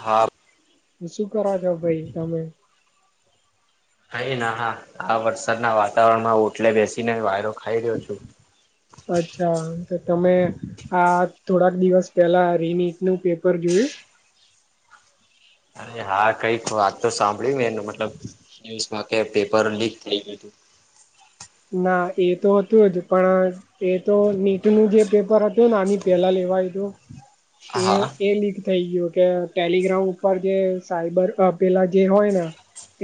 હા શું કર છો ભાઈ તમે હય ના હા આ વરસાદના વાતાવરણમાં ઓટલે બેસીને વાયરો ખાઈ રહ્યો છું અચ્છા તો તમે આ થોડાક દિવસ પહેલા રિમટ નું પેપર જોયું અરે હા કઈક વાત તો સાંભળી મતલબ ન્યુમાં પેપર લીક થઈ ગય હતું ના એ તો હતું જ પણ એ તો નીટ નું જે પેપર હતું ને આની પેલા લેવાય હતું એ હા એ લીક થઈ ગયયો કે ટેલિગ્રામ ઉપર જે સાયબર આપેલા જે હોય ને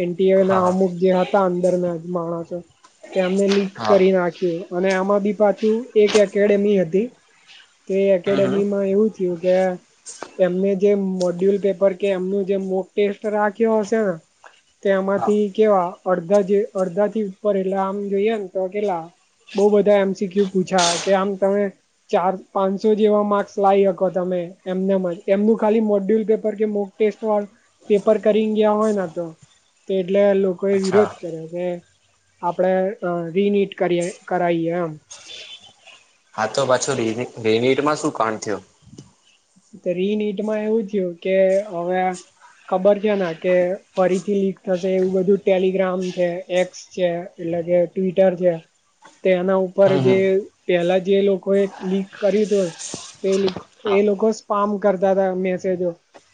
એનએ ના હા અમુક જે હતા અંદર ના માણસો તેમને લીક હા કરી નાખ્યું અને આમાં બી પાછું એક એકેડેમી હતી તો એ હમ હમ એકેડેમી માં એવું થયું કે એમને જે મોડ્યુલ પેપર કે એમનું જે મોક ટેસ્ટ રાખ્યો હશે ને તે હા એમાંથી કેવા અડધા જે અડધા થી ઉપર એલા આમ જોઈએ ને તો કેલા બઉ બધા એમસીક્યુ પૂછા કે આમ તમે ચાર પાંચસો જેવા માર્ક્સ લાવ શકો તમે એમને એમનું ખાલી મોડ્યુલ પેપર કેક ટેસ્ટ પેપર કરી ગયા હોય ને તો એટલે એ અચ્છા વિરોધ કર્યો કે આપણેે રીનીટ કરી કરાવએ એમ હા તો પાછો ર રેનીટમાં શું કણ થયો રીનટમાં એવું થયું કે હવે ખબર છે ને કે ફરીથી લીક થશે એવું બધું ટેલિગ્રામ છે એ છે એટલે કે ટ્િટર છે તે એના ઉપર હમ જે હમ પેલા જે લોકોએ લીક કર્યું હતું હા એ લોકો સ્ પાામ કરતા હતા મેસેજો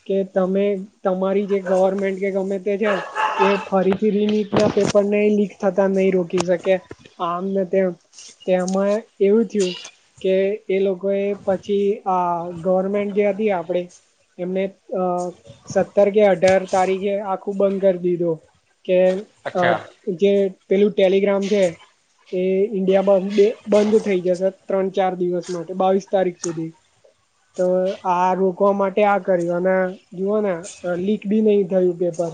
કે તમે તમારી જે ગવર્મેન્ટ કે ગમે તે છે એ ફરીથી રિનીટ ના પેપરને લીક થતા નહી રોકી શકે આમને તેમ તેમાં એવું થયું કે એ લોકો એ પછી આ ગ ટમેન્ટ જે આપડે એમને અ સત્તર કે અઢાર તારીખે આખું બંધ કરી દીધું કે અચ્છા જે પેલું ટેલિગ્રામ છે એ ઇન્ડિયા બંધ થઈ જશે ત્રણ ચાર દિવસ માટે બાવીસ તારીખ સુધી તો આ રોકવા માટે આ કર્યું અને જુઓ ને લીક ભી નહી થયું પેપર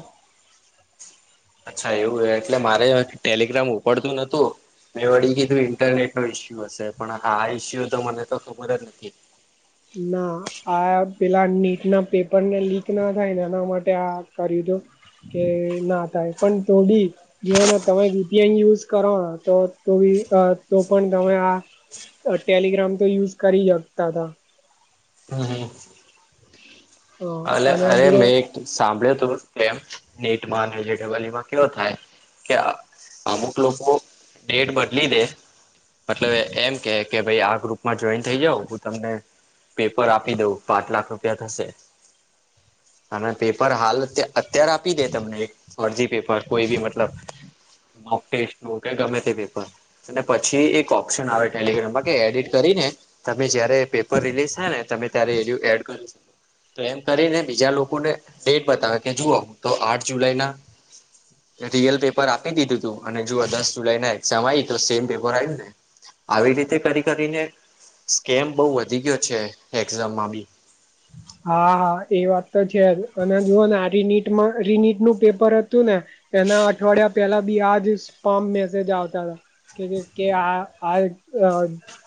અચ્છા એવું એટલે મારે ટેલિગ્રામ ઉપડતું નતું મેં વળી કીધું ઇન્ટરનેટ નો ઇસ્યુ હશે પણ આ ઇસ્યુ તો મને તો ખબર જ નથી ના આ પેલા નીટ ના પેપરને લીક ના થાય ને એના માટે આ કર્યું હતું કે નાતાાય પણ થોડી જોઓને તમે વીટીઆ યુઝ કરો તો તો પણ તમે આ ટેલિગ્રામ તો યુઝ કરી શકતા હતા હમ હમ અ હ અને અરે જો મેં એક સાંભળ્યું તું કેમ નેટમાંેબલમાં કેવ થાય કે અમુક લોકો ડેટ બદલી દે મતલબ એમ કે કે ભાઈ આ ગ્રુપમાં જોઈન થઇ જાઉ હું તમને પેપર આપી દઉું પાંચ લાખ રૂપિયા થશે અને પેપર હાલ અત્યારે આપી દે તમને એક ફરજી પેપર કોઈ બી મતલબ ક ટેસ્ટ ન કે ગમે તે પેપર અને પછી એક ઓપ્શન આવે ટેલિગ્રામમાં એડિટ કરીને તમે જયારે પેપર રિલીઝ થાય ને તમે ત્યારે એડિયો એડ કરી તો એમ કરીને બીજા લોકોને ડેટ બતાવે કે જુઓ હું તો આઠ જુલાઈ ના રિયલ પેપર આપી દીધું તું અને જો દસ જુલાઈ ના એક્ઝામ આવી તો સેમ પેપર આવ ને આવી રીતે કરી કરીને સ્કેમ બહુ વધી ગયો છે, એક્ઝામમાં બી હા હા એ વાત તો છે, અને જુઓ ને આરિનીટમાં રિનીટ નું પેપર હતું ને એના અઠવાડિયા પેલા બી આજ સપામ મેસેજ આવતા હતા કે કે કે આ આ અ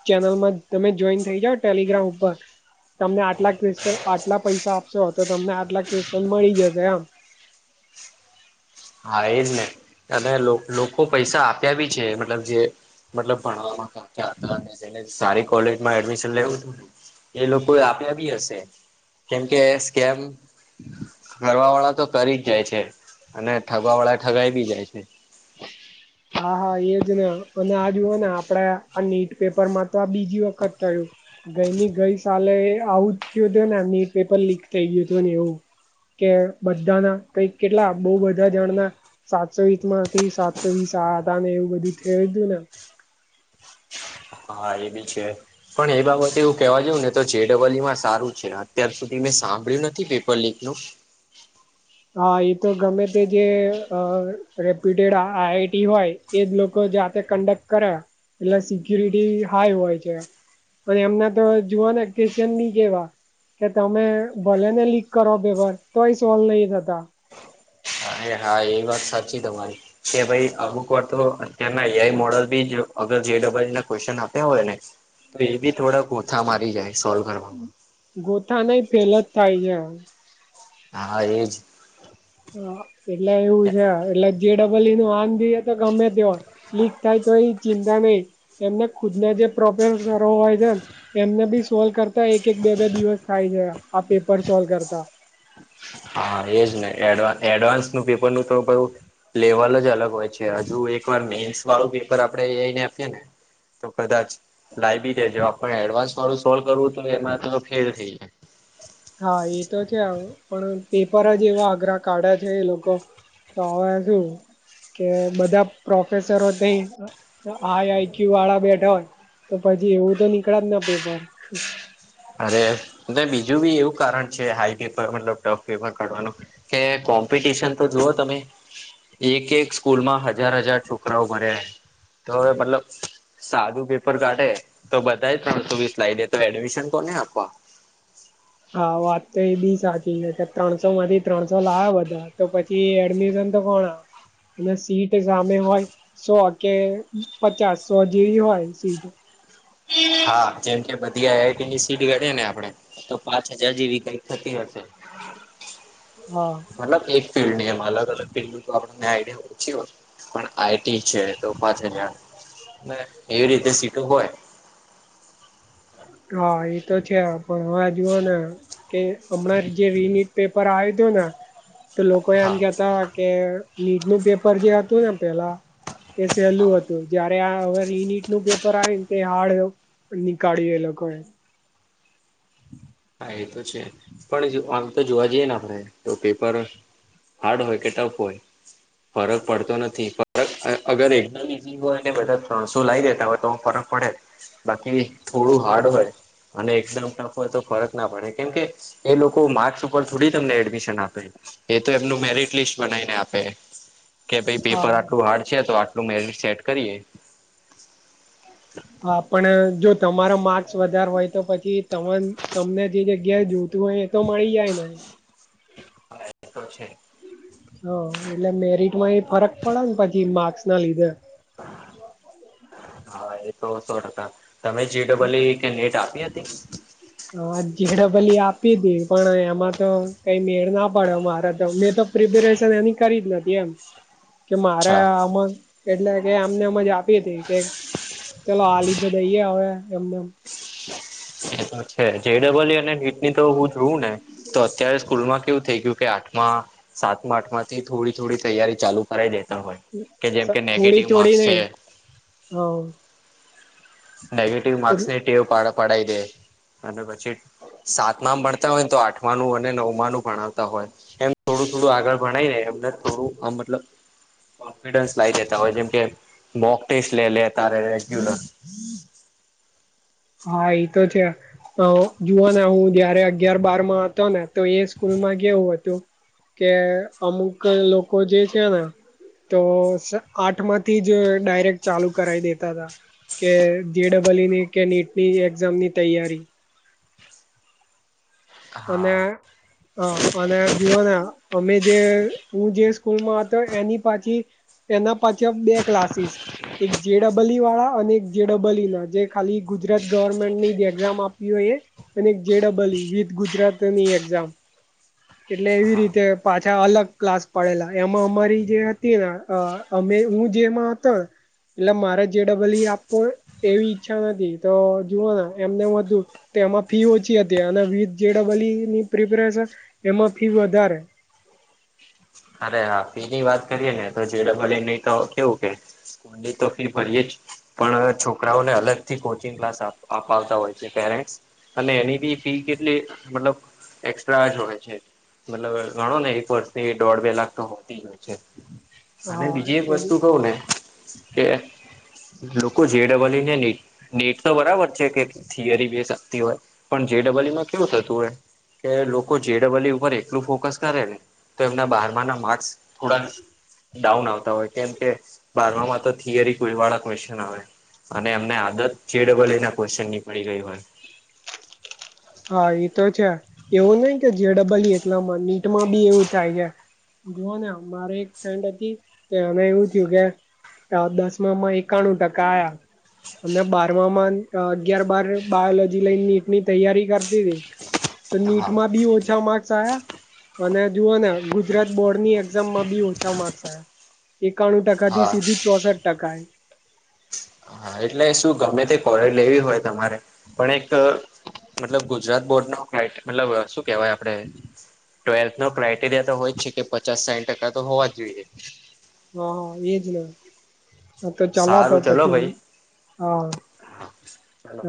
ચેનલમાં તમે જોઈન થઈ જાઓ ટેલિગ્રામ ઉપર તમને આટલા ક્વેશન આટલા પૈસા આપશો તો તમને આટલા ક્વેશ્ન મળી જશે એમ હા એજ ને અને લો લોકો પૈસા આપ્યા બી છે, તલબ જે મતલબ ભણવામાં [unintelligible] સારી કોલેજમાં એડમિશન લેવું એ લોકોએ આપ્યા બી હશે કેમકે સ્કેમ હમ કરવા વાળા તો કરી જ જાય છે, અને ઠગવા વાળા ઠગાવી બી જાય છે. હા હા એજ ને અને આ જુઓ ને આપડા આ નીટ પેપર માં તો આ બીજી વખત થયું ગઈ ની ગઈ સાલે આવું જ થયું હતું ને એમ નીટ પેપર લીક થઈ ગયું હતું ને એવું કે બધાના કઈક કેટલા બઉ બધા જણ ના સાતસો વીસમાંથી સાત [unintelligible] સાદા ને એવું બધું થયું હતું ને હા એ બી છે. પણ એ બાબતે એવું કેવા જોવ ને તો જેડબલયુમાં સારું છે, અત્યાર સુધી મેં સાંભળ્યું નથી પેપર લીક નું હા એ તો ગમે તે જે અ રેપ્યુટેડ આઈઆઈટી હોય એજ લોકો જાતે કન્ડક્ટ કરે એટલે સિકુરિટી હાઈ હોય છે. અને એમના તો જુવાને કેસન બી કેવા કે તમે ભલે ને લીક કરો પેપર તોય સોલ્ નહી થતા અરે હા એ વાત સાચી તમારી કે ભાઈ અમુક વાર તો અત્યારના એઆઈ મોડલ બી [unintelligible] જેડબલ ના ક્વેશન આપ્યા હોય ને તો એ બી થોડા ગોથા મારી જાય સોલ્વ કરવામાં ગોથા નય ફેલ જ થાય ગયા હા એજ હા એટલે એવું છે, એટલે જેડબલીનું આંધી ગમે તે હોય લીક થાય તો એ ચિંતા નહી એમને ખુદના જે [inaudible] એમને બી સોલ્વ કરતા એક એક બે બે દિવસ થાય છે આ પેપર સોલ્વ કરતા હા એજ ને એડવા એડવાન્સનું પેપરનું તો કયુ લેવલ જ અલગ હોય છે, હજુ એક વાર મેન્સ વાળું પેપર આપડે જઈને આપીએને તો કદાચ લાયબી જાય જો આપને એડવાન્સ વારું સોલ્વ કરવું તો એમાં તો ફેલ થઈ જાય હા એ તો છે, ણ પેપર જ એવા અઘરા કાઢ્યા છે, એ લોકો તો હવે શું કે બધા પ્રોફેસરો થઈ આઈ આઈચ્યુ વાળા બેઠા હોય તો પછી એવું તો નીકળે જ ને પેપર અરે ને બીજું બી એવું કારણ છે, હાઈ પેપર મતલબ ટફ પેપર કાઢવાનું કે કોમ્પિટિશન તો જુઓ તમે એક એક સ્કૂલમાં હજાર હજાર છોકરાઓ ભર્યા તો હવે મતલબ સાદું પેપર કાઢે તો બધાએ ત્રણસો વીસ લાઇ દે તો એડમિશન કોને આપવા? હા વાત તો એ બી સાચી છે, કે ત્રણસો માંથી ત્રણસો લાવે બધા તો પ કે એડમિશન તો કોણ અને સીટ સામે હોય સો કે પચાસ સો જેવી હોય સીટ હા જેમ કે બધી આઈ આઈટીની સીટ ગણીયે ને આપડે તો પાંચ હજાર જેવી કઈક થતી હશે હા. મતલબ એક ફિલ્ડની એમ અલગ ફિલ્ડનુ તો આપણને આઈડિયા ઓછી હોય પણ આઈટી છે, તો પાચ હજાર એવી રીતે સીટો હોય હા એતો છે, પણ હવે જુઓ ને કે હમણાં જે રીનેટ પેપર આયુ હતું ને તો લોકો એમ હા કેતા કે નીટ નું પેપર જે હતું ને પેલા એ સહેલું હતું જ હવે ટ નું પેપર આવે ને તે હાડ નીકળ્યું એ લોકો એ હા એ તો છે પણ આ તો જોવા જઈએ ને આપણે તો પેપર હાર્ડ હોય કે ટફ હોય ફરક પડતો નથી ફર અગર એક બીજી હોયને બધા ત્રણસો લઈ દેતા હોય તો ફરક પડે જ બાકી થોડું હાર્ડ હોય અને એકદમ નાખો હોય તો ફરક ના પડે કેમ કે એ લોકો માર્ક્સ ઉપર થોડી તમને એડમિશન આપે એ તો એમનું મેરિટ લિસ્ટ બનાવીને આપે કે ભાઈ હા પેપર આટલું હાર્ડ છે તો આટલું મેરિટ સેટ કરીએ. [inaudible] [unintelligible] હા પણ જો તમારો માર્ક્સ વધારે હોય તો પછી તમને જે જગ્યાએ જોતું હોય. તો મળી જાય ને હા એ છે હ એટલે મેરિટમાં એ ફરક પડે ને પછી માર્ક્સ ના લીધે હા એ તો સો ટકા. તમે જી ડબલ્યુ કે નેટ આપી હતી. હા જેડડબલી આપી હતીી પણ એમાં તો કઈ મેળ ના પડ્યો મારા તો મેં તો પ્રિપેરેશન એની કરી જ નથી એમ [inaudible] [unintelligible] કે મારે આમાં એટલે કે અમનેમજ આપી હતી કે ચલો હ લીધો દઈએ હવે એમનેમ એ તો છે જેડબલ્યુ અને નિટ ની તો હું જોઉું ને તો અત્યારે સ્કૂલમાં કેવું થઈ ગયું કે આઠ માં સાત આઠ માંથી થોડી થોડી તૈયારી ચાલુ કરાવ દેતા હોય. કે જેમ કે થોડી નેગેટિવ થોડી માર્ક્સ છે. નઈ હ નેગેટિવ માર્ક્સ નીટેવ પડી દે અને પછી સાતમા ભણતા હોય ને તો આઠમાનું અને નવમાં નું ભણાવતા હોય એમ થોડું થોડું આગળ ભણાય ને એમને થોડું આ મતલબ કોન્ફિડન્સ લાવ જેતા હોય જેમ કે બોક ટેસ્ટ લ લે ત રેગ્યુલર હા એ તો છે જુઓ ને હું જયારે અગિયાર બારમાં હતો ને તો એ સ્કૂલમાં કેવું હતું. કે અમુક લોકો જે છે ને તો આઠમાંથી જ ડાયરેક્ટ ચાલુ કરાવ દેતા હતાા કે જેીડડબલની કે નીટની એક્ઝામની તૈયારી હા અને હા અને જુઓને અમે જે હું જે સ્કૂલમાં હતો એની પાછી એના પાછી બે ક્લાસીસ એક જે ડબલ ઈ વાળા અને એક જે ડબલ ઈ ના જે ખાલી ગુજરાત ગવર્મેન્ટની જે એક્ઝામ આપવી હોય એ અને એક જેડાબલી વિધ ગુજરાતની એક્ઝામ. [inaudible] એટલે એવી હા રીતે પાછા અલગ ક્લાસ પડેલા એમાં અમારી જે હતી ને અમે હું જેમાં હતો એટલે મારે જે ડબલ આપવું એવી ઈચ્છા નથી તો જુઓના એમને વધુ તો એમાં ફી ઓછી હતી અને વી જે ડબલની પ્રિપરેશન એમાં ફી વધારે. અરે હાપી ની વાત કરીએ ને તો જેડબલ એની તો કેવું કે એ તો ફી ભરયે છે. પણ છોકરાઓને અલગ થી કોચિંગ ક્લાસ અપાવતા હોય છે પેરેન્ટસ. અને એની બી ફી કેટલી મતલબ એક્સ્ટ્રા જ હોય છે. મતલબ ઘણો ને એકર્. દોઢ બે લાખ તો હોતી હોય છે અને હા બીજી એક એ વસ્તુ કઉ ને. કે લોકો જેડબલી ને. ડેટ તો બરાબર છે કે થિયરી બેસ આવતી હોય પણ જેડબલ્યુમાં કેવું થતું હોય. કે લોકો જેડબલુ ઉપર એકલું ફોકસ કરે ને. તો એમના બહારમાં ના માર્સ થોડા. ડાઉન આવતા હોય કેમ કે બારમામાં તો થિયરી કોઈ વાળા ક્વેશ્ચન આવે. અને એમને આદત ફડબલ ના ક્વન નીકળી ગઈ હોય. હા એ તો છે એવું નઈ કે જેડબલ એકલામાં નીટમાં બી એવું થાય છે. જોુઓ ને મારી એક ફ્રેન્ડ હતી તે અમે એવું થયું કે. દસ માંમાં એકાણું ટકા આયા. અને બારમામાં અગિયાર બાર બાયોલોજી લઈન નીટની તૈયારી કરતી હતીી. તો હા નીટમાં બી ઓછા માર્ક્સ આવ્યા. અને જુઓ ને ગુજરાત બોર્ડની એક્ઝામમાં બી ઓછા માર્ક્સ આવ્યા. એકાણું ટકા થી હા સીધું ચોસઠ ટકા. હા એટલે શું ગમે તે કોલે લેવી હોય તમારે પણ એક મતલબ. ગુજરાત બોર્ડ ન ફટ મતલબ શું કેહેવાય આપડે. ટ્વેલ્થ નો ક્રઇટેરિયા તો હોય જ છે કે પચાસ સાહીઠ ટકા તો હોવા જ જોઈએ. હા એજ ન તો ચાલ તો સારું ચલો પછી. ભાઈ હા ચલો હ.